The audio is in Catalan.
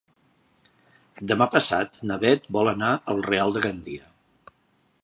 Demà passat na Beth vol anar al Real de Gandia.